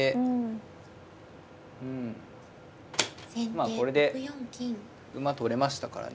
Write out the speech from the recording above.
まあこれで馬取れましたからね。